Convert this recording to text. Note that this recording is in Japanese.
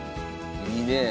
いいねえ。